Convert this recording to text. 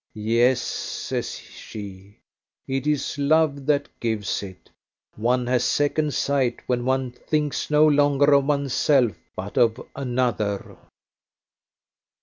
"Yes," says she, "it is love that gives it. One has second sight when one thinks no longer of one's self but of another."